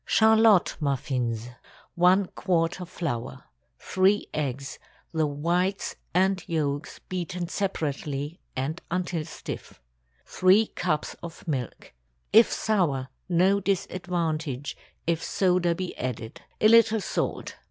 CHARLOTTE MUFFINS. ✠ 1 quart of flour. 3 eggs—the whites and yolks beaten separately and until stiff. 3 cups of milk. If sour, no disadvantage, if soda be added. A little salt.